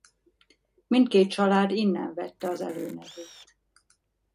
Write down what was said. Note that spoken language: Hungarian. Mindkét család innen vette az előnevét.